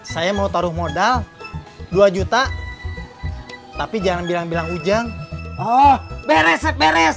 saya mau taruh modal dua juta tapi jangan bilang bilang ujang oh bereset beres